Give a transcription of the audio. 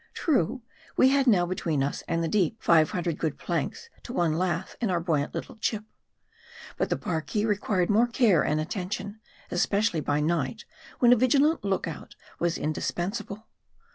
True, we had now between us and the deep, five hundred good planks to one lath in our buoyant little chip. But the Parki required more care and attention ; especially by night, when a vigilant look out was indispensable.